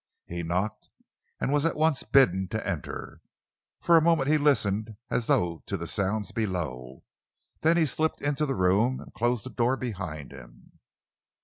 He knocked and was at once bidden to enter. For a moment he listened as though to the sounds below. Then he slipped into the room and closed the door behind him.